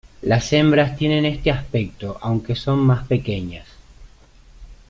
Las hembras tienen este aspecto aunque son más pequeñas.